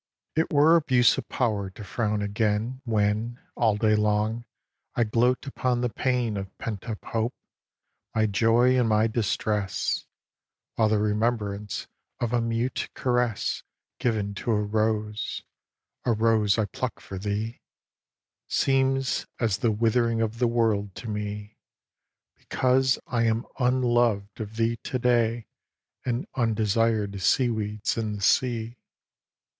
xiv. It were abuse of power to frown again When, all day long, I gloat upon the pain Of pent up hope, my joy and my distress, While the remembrance of a mute caress Given to a rose, a rose I pluck'd for thee, Seems as the withering of the world to me, Because I am unlov'd of thee to day And undesired as sea weeds in the sea.